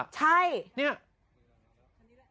ใช่นี่